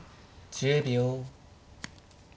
１０秒。